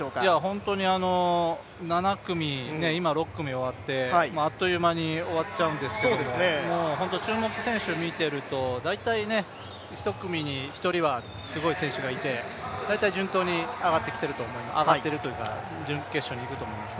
本当に７組、今６組終わって、あっという間に終わっちゃうんですけどもう注目選手を見ていると大体１組に１人はすごい選手がいて大体順当に上がってるというか、準決勝にいくと思います。